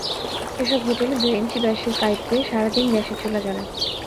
এসব হোটেলে দুই ইঞ্চি ব্যাসের পাইপ দিয়ে সারা দিন গ্যাসের চুলা জ্বলে।